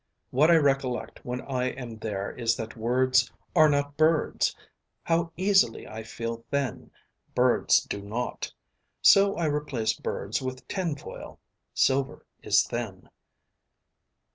What I recollect when I am there is that words are not birds. How easily I feel thin. Birds do not. So I replace birds with tin foil. Silver is thin.